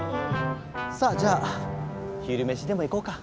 さじゃあ昼飯でも行こうか。